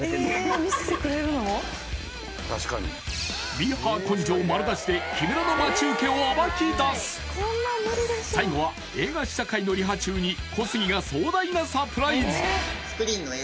ミーハー根性丸出しで木村の待受を暴き出す最後は映画試写会のリハ中に小杉が壮大なサプライズ！